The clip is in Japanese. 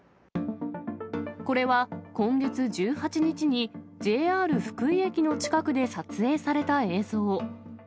これは今月１８日に、ＪＲ福井駅の近くで撮影された映像。